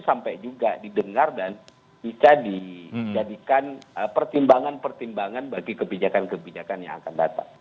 sampai juga didengar dan bisa dijadikan pertimbangan pertimbangan bagi kebijakan kebijakan yang akan datang